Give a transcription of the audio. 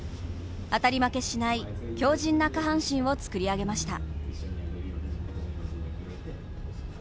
当たり負けしない強じんな下半身を作り上げました。